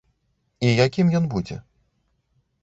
І якім ён будзе?